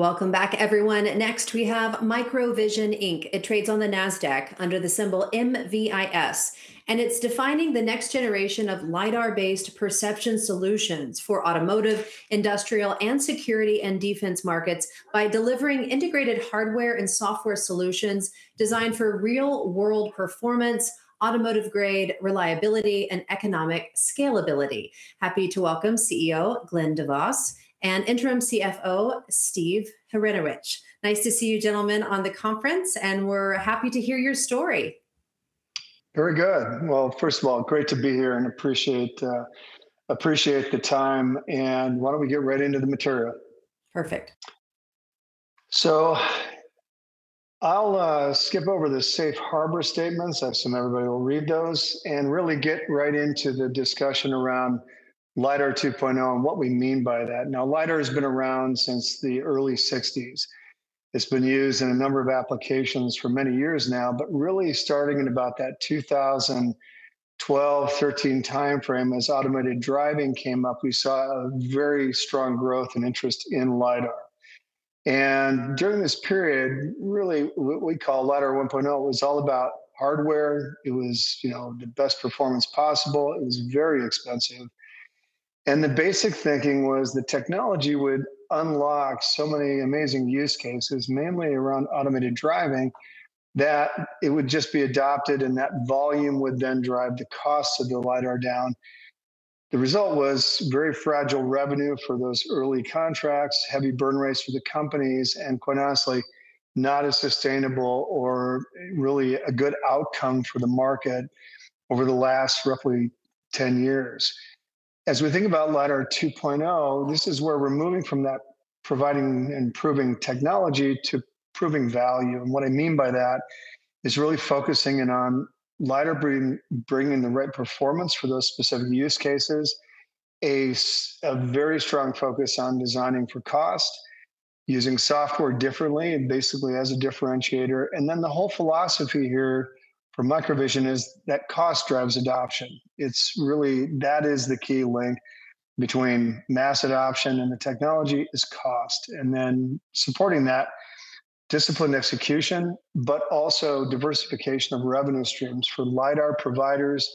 Welcome back, everyone. Next, we have MicroVision, Inc. It trades on the NASDAQ under the symbol MVIS. It's defining the next generation of lidar-based perception solutions for automotive, industrial, and security and defense markets by delivering integrated hardware and software solutions designed for real-world performance, automotive-grade reliability, and economic scalability. Happy to welcome CEO Glen DeVos and Interim CFO Steve Hrynewich. Nice to see you gentlemen on the conference. We're happy to hear your story. Very good. Well, first of all, great to be here and appreciate the time. Why don't we get right into the material? Perfect. I'll skip over the safe harbor statements, I assume everybody will read those, and really get right into the discussion around Lidar 2.0 and what we mean by that. Lidar has been around since the early '60s. It's been used in a number of applications for many years now, but really starting in about that 2012, 2013 timeframe, as automated driving came up, we saw a very strong growth and interest in lidar. During this period, really what we call Lidar 1.0 was all about hardware. It was the best performance possible. It was very expensive. The basic thinking was the technology would unlock so many amazing use cases, mainly around automated driving, that it would just be adopted and that volume would then drive the cost of the lidar down. The result was very fragile revenue for those early contracts, heavy burn rates for the companies, and quite honestly, not as sustainable or really a good outcome for the market over the last roughly 10 years. As we think about Lidar 2.0, this is where we're moving from that providing and proving technology to proving value. What I mean by that is really focusing in on lidar bringing the right performance for those specific use cases, a very strong focus on designing for cost, using software differently and basically as a differentiator, and then the whole philosophy here for MicroVision is that cost drives adoption. That is the key link between mass adoption and the technology is cost. Supporting that discipline execution, diversification of revenue streams for lidar providers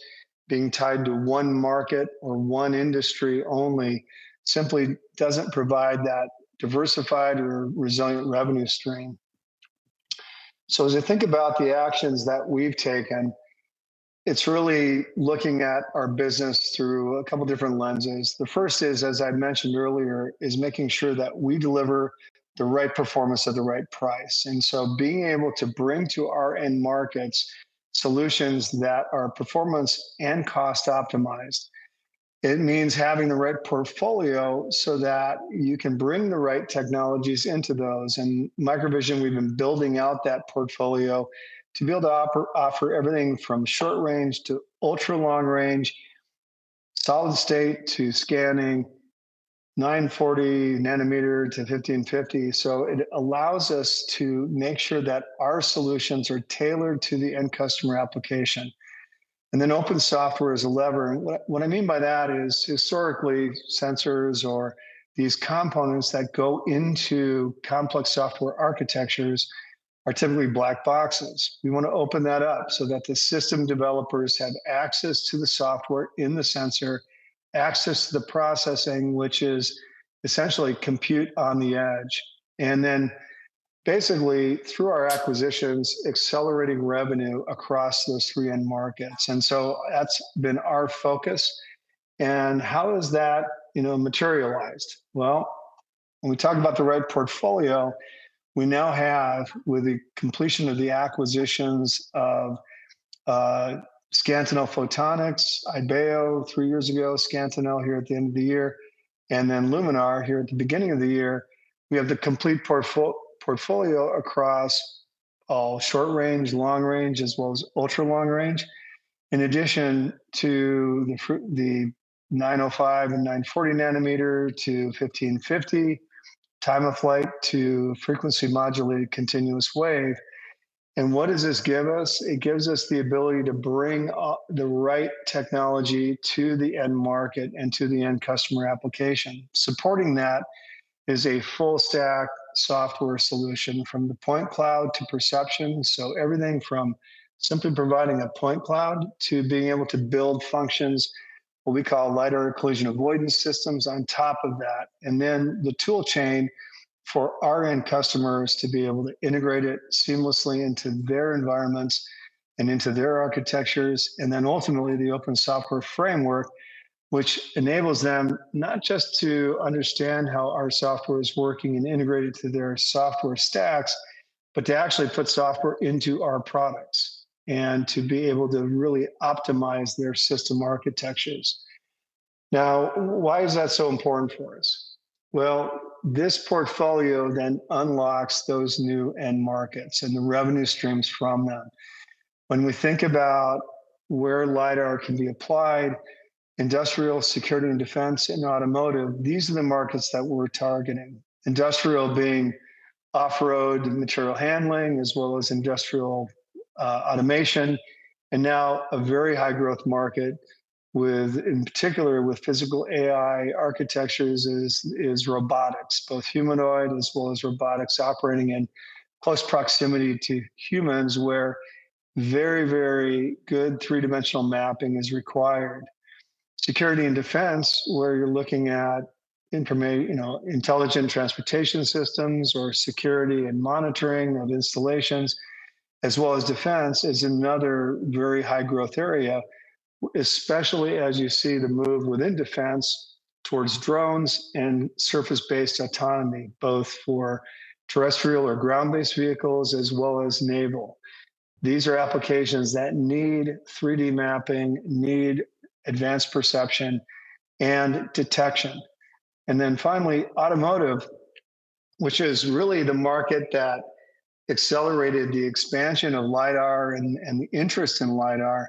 being tied to one market or one industry only simply doesn't provide that diversified or resilient revenue stream. As I think about the actions that we've taken, it's really looking at our business through a couple different lenses. The first is, as I mentioned earlier, is making sure that we deliver the right performance at the right price. Being able to bring to our end markets solutions that are performance and cost optimized. It means having the right portfolio so that you can bring the right technologies into those. MicroVision, we've been building out that portfolio to be able to offer everything from short range to ultra-long range, solid state to scanning, 940 nm-1,550 nm. It allows us to make sure that our solutions are tailored to the end customer application. Open software as a lever. What I mean by that is historically, sensors or these components that go into complex software architectures are typically black boxes. We want to open that up so that the system developers have access to the software in the sensor, access to the processing, which is essentially compute on the edge. Basically through our acquisitions, accelerating revenue across those three end markets. That's been our focus. How is that materialized? Well, when we talk about the right portfolio, we now have, with the completion of the acquisitions of Scantinel Photonics, Ibeo three years ago, Scantinel here at the end of the year, Luminar here at the beginning of the year. We have the complete portfolio across all short range, long range, as well as ultra-long range. In addition to the 905 nm and 940 nm-1,550 nm, Time-of-Flight to frequency-modulated continuous-wave. What does this give us? It gives us the ability to bring the right technology to the end market and to the end customer application. Supporting that is a full stack software solution from the point cloud to perception. Everything from simply providing a point cloud to being able to build functions, what we call lidar collision avoidance systems on top of that. The tool chain for our end customers to be able to integrate it seamlessly into their environments and into their architectures. Ultimately the open software framework, which enables them not just to understand how our software is working and integrated to their software stacks, but to actually put software into our products and to be able to really optimize their system architectures. Why is that so important for us? This portfolio then unlocks those new end markets and the revenue streams from them. When we think about where lidar can be applied, industrial security and defense, and automotive, these are the markets that we're targeting. Industrial being off-road and material handling, as well as industrial automation. Now a very high growth market, in particular with Physical AI architectures, is robotics, both humanoid as well as robotics operating in close proximity to humans, where very good three-dimensional mapping is required. Security and Defense, where you're looking at intelligent transportation systems or security and monitoring of installations as well as defense, is another very high growth area, especially as you see the move within defense towards drones and surface-based autonomy, both for terrestrial or ground-based vehicles as well as naval. These are applications that need 3D mapping, need advanced perception, and detection. Finally, automotive, which is really the market that accelerated the expansion of lidar and the interest in lidar,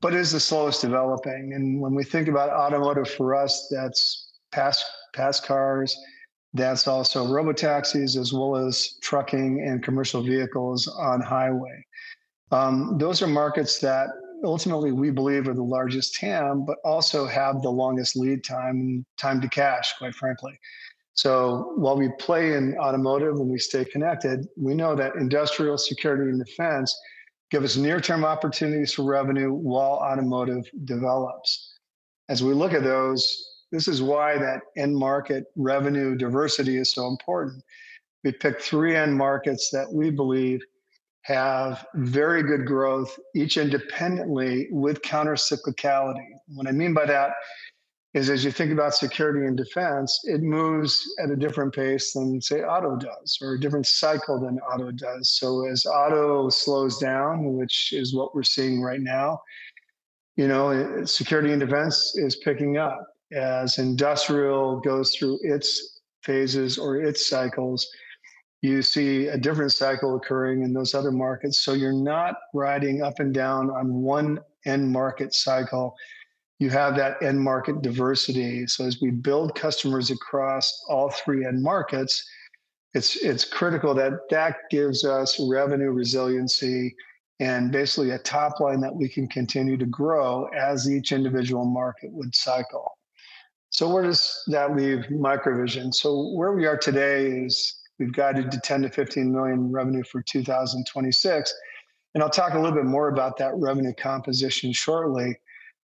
but is the slowest developing. When we think about automotive for us, that's pass cars, that's also robotaxis as well as trucking and commercial vehicles on highway. Those are markets that ultimately we believe are the largest TAM, but also have the longest lead time to cash, quite frankly. While we play in automotive and we stay connected, we know that industrial Security and Defense give us near-term opportunities for revenue while automotive develops. We look at those, this is why that end market revenue diversity is so important. We picked three end markets that we believe have very good growth, each independently with counter-cyclicality. What I mean by that is as you think about Security and Defense, it moves at a different pace than, say, auto does, or a different cycle than auto does. As auto slows down, which is what we're seeing right now, Security and Defense is picking up. As industrial goes through its phases or its cycles, you see a different cycle occurring in those other markets. You're not riding up and down on one end market cycle. You have that end market diversity. As we build customers across all three end markets, it's critical that that gives us revenue resiliency, and basically a top line that we can continue to grow as each individual market would cycle. Where does that leave MicroVision? Where we are today is we've guided to $10 million-$15 million revenue for 2026, and I'll talk a little bit more about that revenue composition shortly.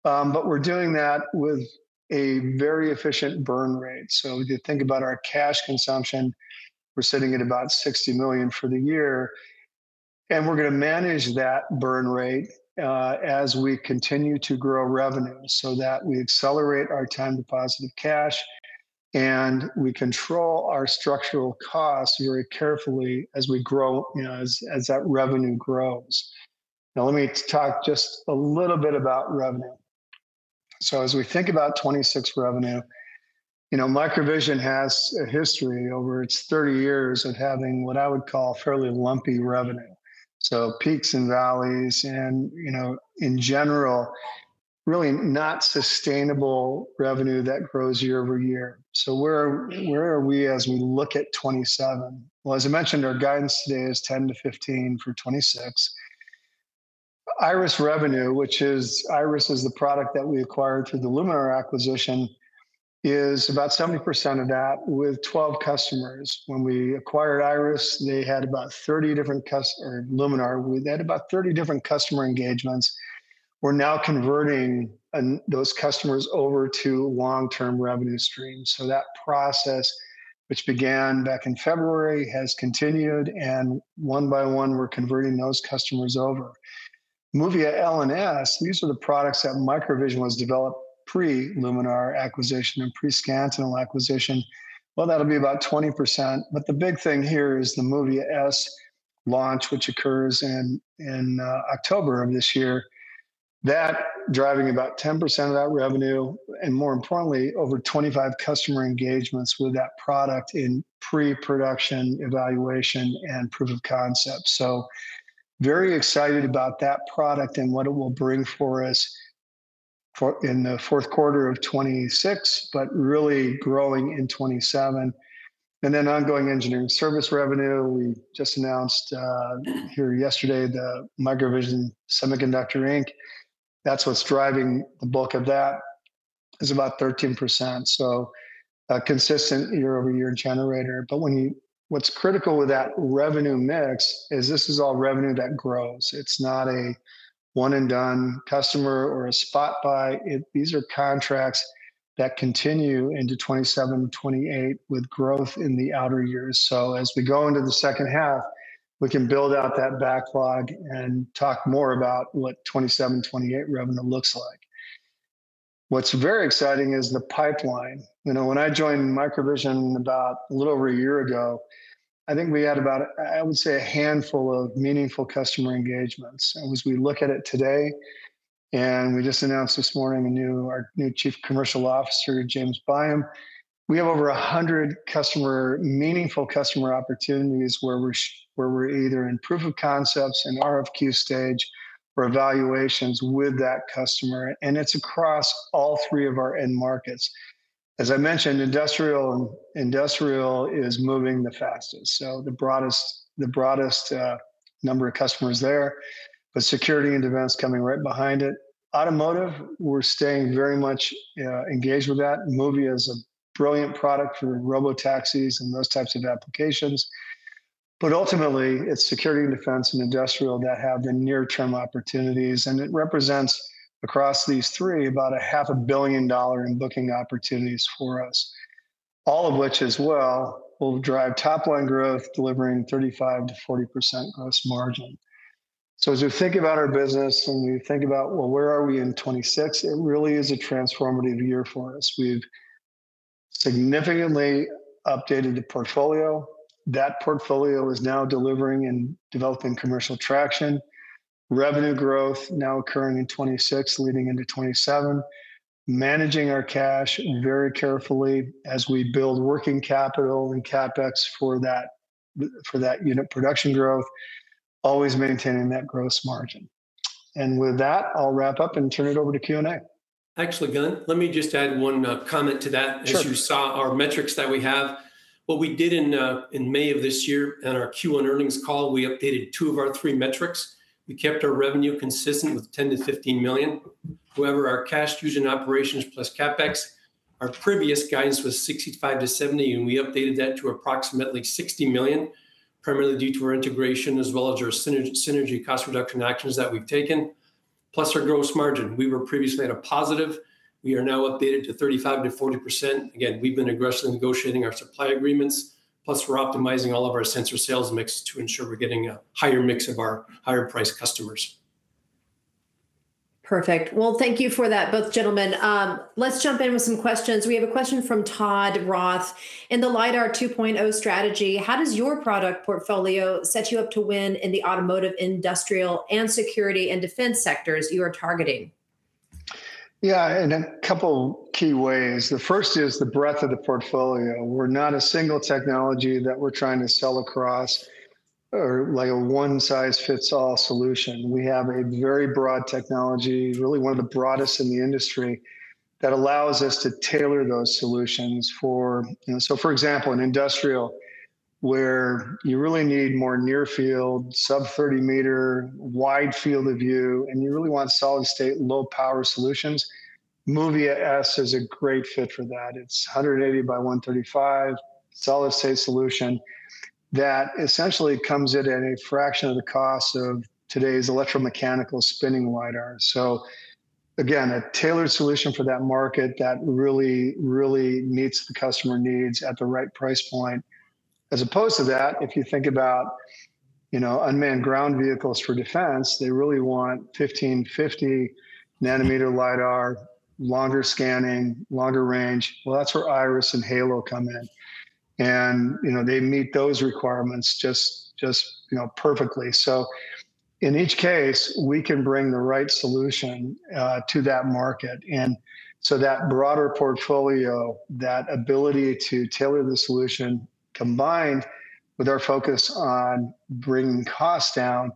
We're doing that with a very efficient burn rate. If you think about our cash consumption, we're sitting at about $60 million for the year, and we're going to manage that burn rate as we continue to grow revenue so that we accelerate our time to positive cash, and we control our structural costs very carefully as that revenue grows. Let me talk just a little bit about revenue. As we think about 2026 revenue, MicroVision has a history over its 30 years of having what I would call fairly lumpy revenue. Peaks and valleys and, in general, really not sustainable revenue that grows year-over-year. Where are we as we look at 2027? As I mentioned, our guidance today is $10 million-$15 million for 2026. IRIS revenue, which is IRIS is the product that we acquired through the Luminar acquisition, is about 70% of that with 12 customers. When we acquired Luminar, they had about 30 different customer engagements. We're now converting those customers over to long-term revenue streams. That process, which began back in February, has continued, and one by one, we're converting those customers over. MOVIA L and S, these are the products that MicroVision has developed pre-Luminar acquisition and pre-Scantinel acquisition. That'll be about 20%, the big thing here is the MOVIA S launch, which occurs in October of this year. That driving about 10% of that revenue, and more importantly, over 25 customer engagements with that product in pre-production evaluation and proof of concept. Very excited about that product and what it will bring for us in the fourth quarter of 2026, really growing in 2027. Ongoing engineering service revenue. We just announced here yesterday the MicroVision Semiconductor Inc. That's what's driving the bulk of that, is about 13%. A consistent year-over-year generator. What's critical with that revenue mix is this is all revenue that grows. It's not a one-and-done customer or a spot buy. These are contracts that continue into 2027, 2028 with growth in the outer years. As we go into the second half, we can build out that backlog and talk more about what 2027, 2028 revenue looks like. What's very exciting is the pipeline. When I joined MicroVision about a little over a year ago, I think we had about, I would say, a handful of meaningful customer engagements. As we look at it today, and we just announced this morning our new Chief Commercial Officer, James Byam, we have over 100 meaningful customer opportunities where we're either in proof of concepts, in RFQ stage, or evaluations with that customer, and it's across all three of our end markets. As I mentioned, industrial is moving the fastest. The broadest number of customers there, security and defense coming right behind it. Automotive, we're staying very much engaged with that. MOVIA is a brilliant product for robo taxis and those types of applications. Ultimately, it's security and defense and industrial that have the near-term opportunities, and it represents, across these three, about $500 million in booking opportunities for us. All of which as well, will drive top line growth, delivering 35%-40% gross margin. As we think about our business and we think about, well, where are we in 2026, it really is a transformative year for us. We've significantly updated the portfolio. That portfolio is now delivering and developing commercial traction. Revenue growth now occurring in 2026, leading into 2027. Managing our cash very carefully as we build working capital and CapEx for that unit production growth, always maintaining that gross margin. With that, I'll wrap up and turn it over to Q&A. Actually, Glen, let me just add one comment to that. Sure. As you saw our metrics that we have, what we did in May of this year in our Q1 earnings call, we updated two of our three metrics. We kept our revenue consistent with $10 million-$15 million. Our cash use in operations plus CapEx, our previous guidance was $65 million-$70 million, and we updated that to approximately $60 million, primarily due to our integration as well as our synergy cost reduction actions that we've taken. Our gross margin, we were previously at a positive. We are now updated to 35%-40%. Again, we've been aggressively negotiating our supply agreements, we're optimizing all of our sensor sales mix to ensure we're getting a higher mix of our higher priced customers. Perfect. Thank you for that, both gentlemen. Let's jump in with some questions. We have a question from Todd Roth. In the Lidar 2.0 strategy, how does your product portfolio set you up to win in the automotive, industrial, and security and defense sectors you are targeting? In a couple key ways. The first is the breadth of the portfolio. We're not a single technology that we're trying to sell across or a one size fits all solution. We have a very broad technology, really one of the broadest in the industry, that allows us to tailor those solutions. For example, in industrial, where you really need more near field, sub 30 m, wide field of view, and you really want solid state, low power solutions, MOVIA S is a great fit for that. It's 180 by 135 solid state solution that essentially comes in at a fraction of the cost of today's electromechanical spinning lidar. Again, a tailored solution for that market that really meets the customer needs at the right price point. As opposed to that, if you think about unmanned ground vehicles for defense, they really want 1,550 nm lidar, longer scanning, longer range. That's where IRIS and HALO come in. They meet those requirements just perfectly. In each case, we can bring the right solution to that market. That broader portfolio, that ability to tailor the solution, combined with our focus on bringing costs down,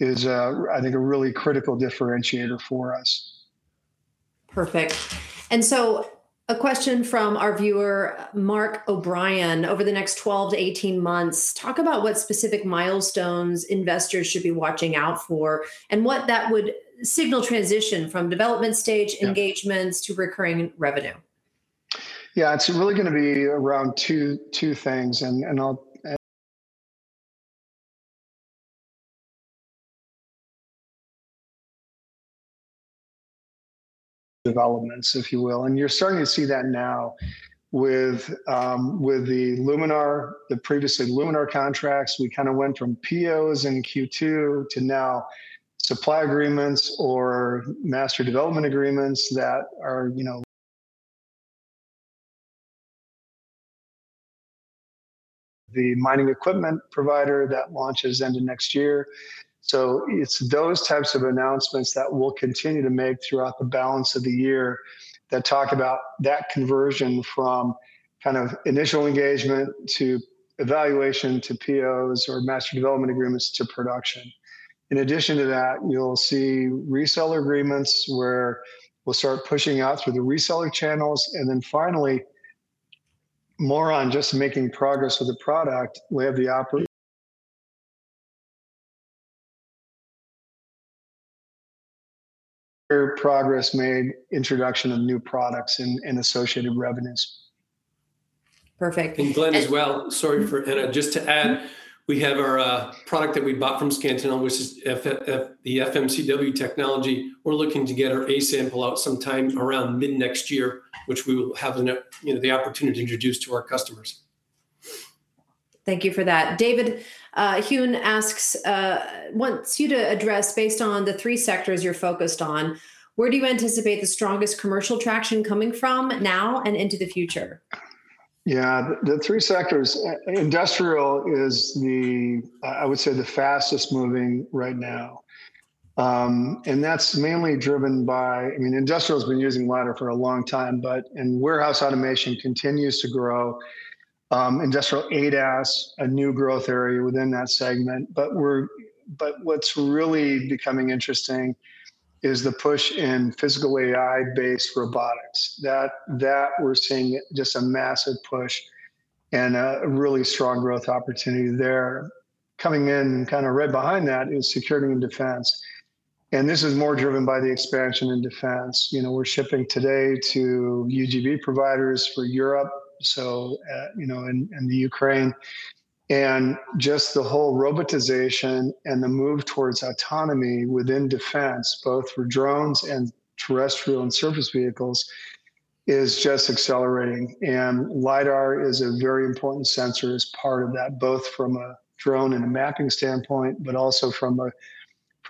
is I think a really critical differentiator for us. Perfect. A question from our viewer, Mark O'Brien. Over the next 12-18 months, talk about what specific milestones investors should be watching out for, and what that would signal transition from development stage engagements to recurring revenue. Yeah, it's really going to be around two things, developments, if you will. You're starting to see that now with the Luminar, the previously Luminar contracts. We kind of went from POs in Q2 to now supply agreements or master development agreements that are, you know the mining equipment provider that launches end of next year. It's those types of announcements that we'll continue to make throughout the balance of the year that talk about that conversion from kind of initial engagement to evaluation, to POs or master development agreements to production. In addition to that, you'll see reseller agreements where we'll start pushing out through the reseller channels. Finally, more on just making progress with the product. We have progress made, introduction of new products, and associated revenues. Perfect. Glen as well, sorry for interrupt. Just to add, we have our product that we bought from Scantinel, which is the FMCW technology. We're looking to get our A sample out sometime around mid-next year, which we will have the opportunity to introduce to our customers. Thank you for that. David Huhn wants you to address, based on the three sectors you're focused on, where do you anticipate the strongest commercial traction coming from now and into the future? Yeah. The three sectors. Industrial is I would say the fastest moving right now. That's mainly driven by Industrial's been using lidar for a long time, and warehouse automation continues to grow. Industrial ADAS, a new growth area within that segment. What's really becoming interesting is the push in Physical AI-based robotics. That we're seeing just a massive push and a really strong growth opportunity there. Coming in kind of right behind that is security and defense. This is more driven by the expansion in defense. We're shipping today to UGV providers for Europe, so in the Ukraine. Just the whole robotization and the move towards autonomy within defense, both for drones and terrestrial and surface vehicles, is just accelerating. lidar is a very important sensor as part of that, both from a drone and a mapping standpoint, but also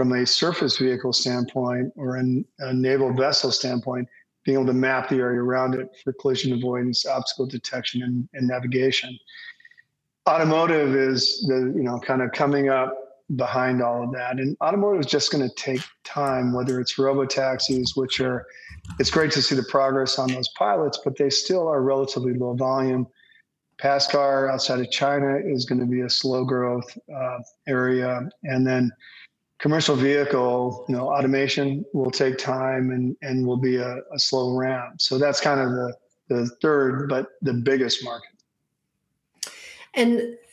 from a surface vehicle standpoint or a naval vessel standpoint, being able to map the area around it for collision avoidance, obstacle detection, and navigation. Automotive is kind of coming up behind all of that. Automotive is just going to take time, whether it's robotaxis, which it's great to see the progress on those pilots, but they still are relatively low volume. Passenger car, outside of China, is going to be a slow growth area. Commercial vehicle automation will take time and will be a slow ramp. That's kind of the third, but the biggest market.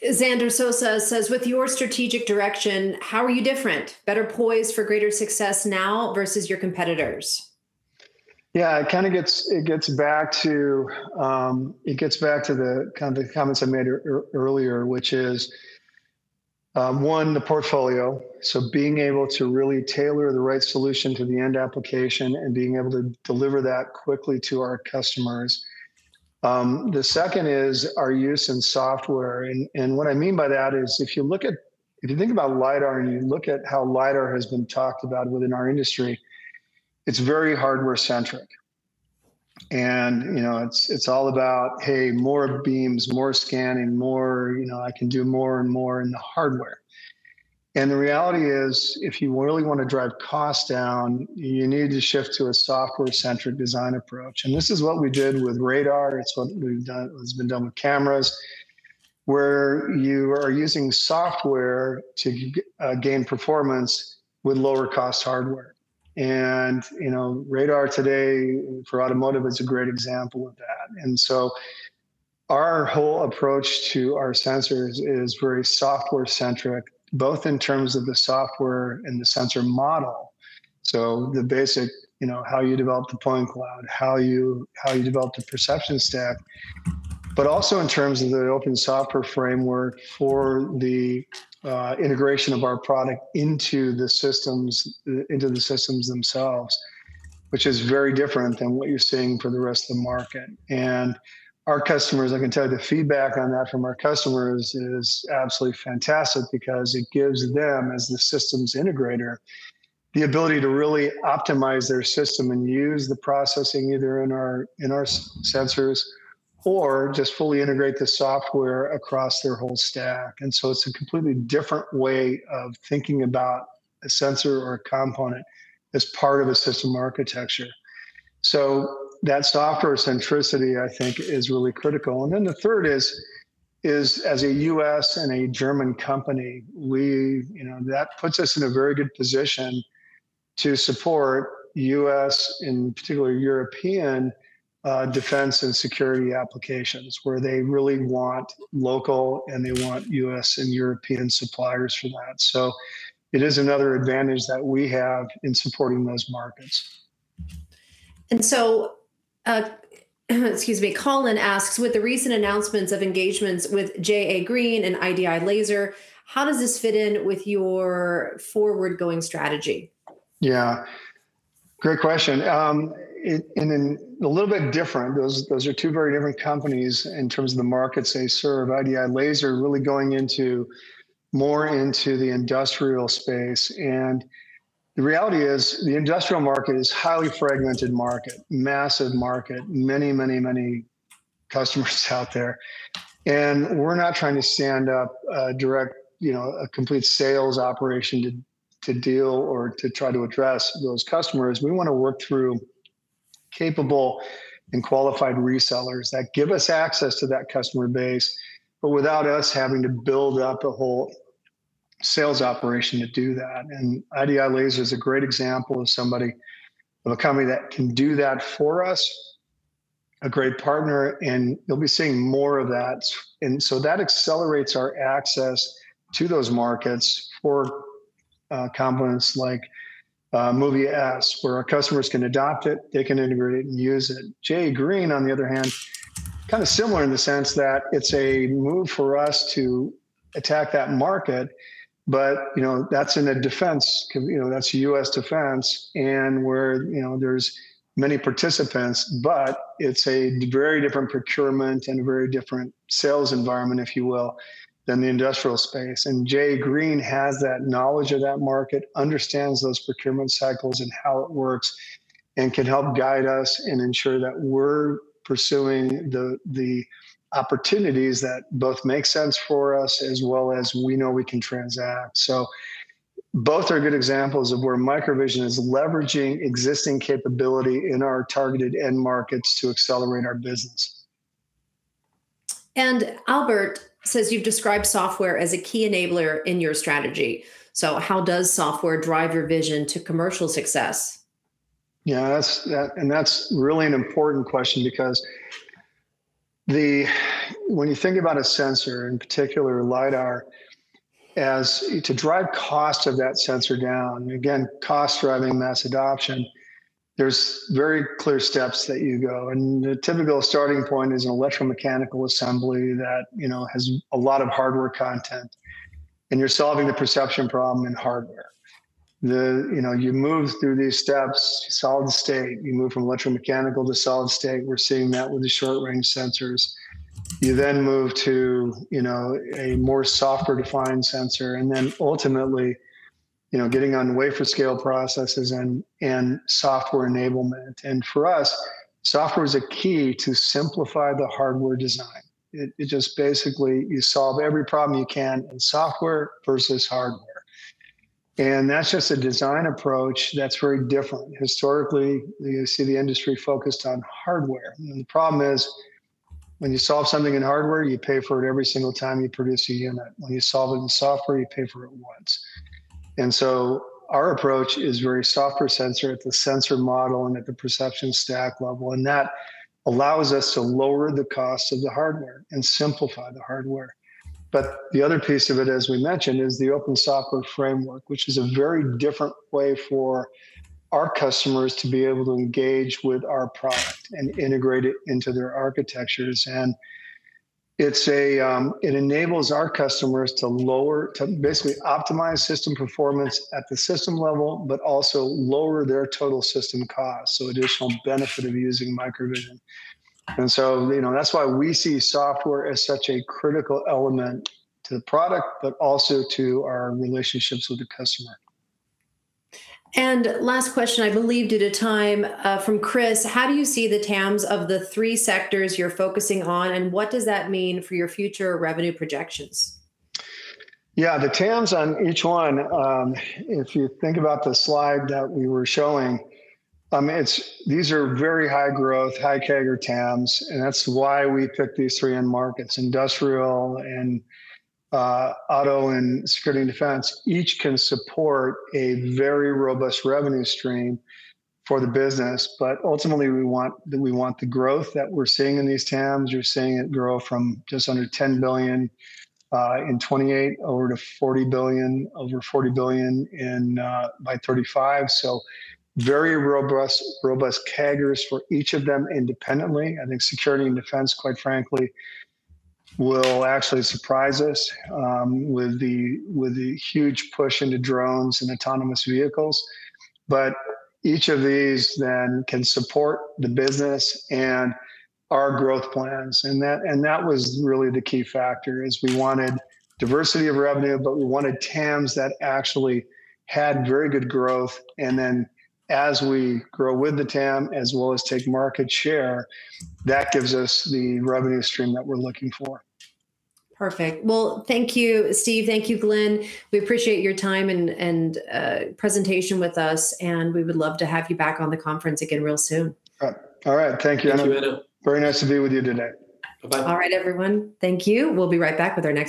Xander Sosa says, "With your strategic direction, how are you different? Better poised for greater success now versus your competitors? Yeah. It gets back to the comments I made earlier, which is, one, the portfolio. Being able to really tailor the right solution to the end application and being able to deliver that quickly to our customers. The second is our use in software. What I mean by that is if you think about lidar, and you look at how lidar has been talked about within our industry, it's very hardware-centric. It's all about, hey, more beams, more scanning, I can do more and more in the hardware. The reality is, if you really want to drive costs down, you need to shift to a software-centric design approach. This is what we did with radar. It's what has been done with cameras, where you are using software to gain performance with lower-cost hardware. Radar today for automotive is a great example of that. Our whole approach to our sensors is very software-centric, both in terms of the software and the sensor model. The basic, how you develop the point cloud, how you develop the perception stack, but also in terms of the open software framework for the integration of our product into the systems themselves, which is very different than what you're seeing for the rest of the market. I can tell you, the feedback on that from our customers is absolutely fantastic because it gives them, as the systems integrator, the ability to really optimize their system and use the processing either in our sensors or just fully integrate the software across their whole stack. It's a completely different way of thinking about a sensor or a component as part of a system architecture. That software centricity, I think, is really critical. The third is, as a U.S. and a German company, that puts us in a very good position to support U.S., in particular European, defense and security applications where they really want local, and they want U.S. and European suppliers for that. It is another advantage that we have in supporting those markets. Excuse me, Colin asks, "With the recent announcements of engagements with J.A. Green and IDI Laser, how does this fit in with your forward-going strategy? Yeah. Great question. A little bit different. Those are two very different companies in terms of the markets they serve. IDI Laser really going more into the industrial space, the reality is the industrial market is highly fragmented market, massive market. Many customers out there. We're not trying to stand up a complete sales operation to deal or to try to address those customers. We want to work through capable and qualified resellers that give us access to that customer base, but without us having to build up a whole sales operation to do that. IDI Laser is a great example of a company that can do that for us, a great partner, and you'll be seeing more of that. That accelerates our access to those markets for components like MOVIA S, where our customers can adopt it, they can integrate it and use it. J.A. Green, on the other hand, kind of similar in the sense that it's a move for us to attack that market, but that's U.S. defense, where there's many participants, but it's a very different procurement and a very different sales environment, if you will, than the industrial space. J.A. Green has that knowledge of that market, understands those procurement cycles and how it works, and can help guide us and ensure that we're pursuing the opportunities that both make sense for us as well as we know we can transact. Both are good examples of where MicroVision is leveraging existing capability in our targeted end markets to accelerate our business. Albert says you've described software as a key enabler in your strategy. How does software drive your vision to commercial success? That's really an important question because when you think about a sensor, in particular lidar, to drive cost of that sensor down, again, cost driving mass adoption, there's very clear steps that you go. The typical starting point is an electromechanical assembly that has a lot of hardware content, and you're solving the perception problem in hardware. You move through these steps, solid state, you move from electromechanical to solid state. We're seeing that with the short-range sensors. You move to a more software-defined sensor and ultimately, getting on wafer scale processes and software enablement. For us, software is a key to simplify the hardware design. It just basically, you solve every problem you can in software versus hardware. That's just a design approach that's very different. Historically, you see the industry focused on hardware. The problem is, when you solve something in hardware, you pay for it every single time you produce a unit. When you solve it in software, you pay for it once. Our approach is very software sensor at the sensor model and at the perception stack level. That allows us to lower the cost of the hardware and simplify the hardware. The other piece of it, as we mentioned, is the open software framework, which is a very different way for our customers to be able to engage with our product and integrate it into their architectures. It enables our customers to basically optimize system performance at the system level, but also lower their total system cost. Additional benefit of using MicroVision. That's why we see software as such a critical element to the product, but also to our relationships with the customer. Last question, I believe due to time, from Chris, how do you see the TAMs of the three sectors you're focusing on, and what does that mean for your future revenue projections? Yeah, the TAMs on each one, if you think about the slide that we were showing, these are very high growth, high CAGR TAMs, and that's why we picked these three end markets, industrial and auto and security and defense. Each can support a very robust revenue stream for the business. Ultimately, we want the growth that we're seeing in these TAMs. We're seeing it grow from just under $10 billion in 2028 over to over $40 billion by 2035. Very robust CAGRs for each of them independently. I think security and defense, quite frankly, will actually surprise us with the huge push into drones and autonomous vehicles. Each of these then can support the business and our growth plans. That was really the key factor, is we wanted diversity of revenue, but we wanted TAMs that actually had very good growth, and then as we grow with the TAM, as well as take market share, that gives us the revenue stream that we're looking for. Well, thank you, Steve. Thank you, Glen. We appreciate your time and presentation with us, we would love to have you back on the conference again real soon. All right. Thank you. Thank you, Ana. Very nice to be with you today. Bye-bye. All right, everyone. Thank you. We'll be right back with our next-